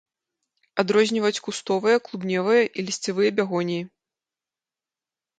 Адрозніваюць кустовыя, клубневыя і лісцевыя бягоніі.